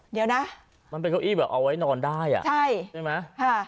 เดี๋ยวนะมันเป็นเก้าอี้แบบเอาไว้นอนได้อ่ะใช่ใช่ไหมค่ะ